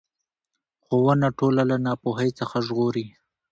ښوونه ټولنه له ناپوهۍ څخه ژغوري